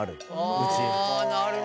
うち。